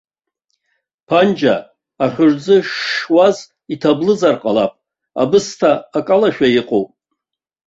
Панџьа, ахьурӡы шшуаз иҭаблызар ҟалап, абысҭа акалашәа иҟоуп.